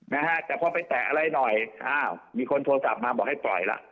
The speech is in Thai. นะฮะแต่พอไปแตะอะไรหน่อยอ้าวมีคนโทรศัพท์มาบอกให้ปล่อยล่ะ